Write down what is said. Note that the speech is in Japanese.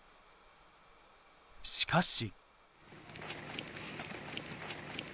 しかし。